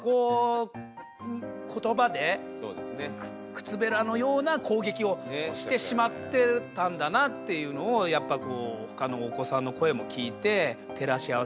靴べらのような攻撃をしてしまってたんだなっていうのをやっぱこう他のお子さんの声も聴いて照らし合わせてちょっと反省してますね。